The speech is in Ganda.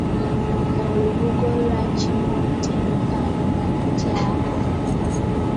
Olubugo lwa kimote lufaanana lutya?